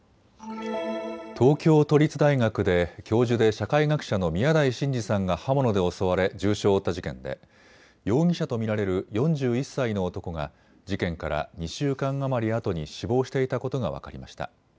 東京都立大学で教授で社会学者の宮台真司さんが刃物で襲われ重傷を負った事件で容疑者と見られる４１歳の男が事件から２週間余りあとに死亡していたことが分かりました。